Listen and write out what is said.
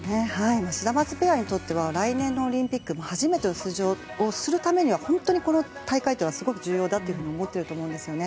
シダマツペアにとっては来年のオリンピックに初めて出場をするためには本当にこの大会がすごく重要だと思っていると思うんですよね。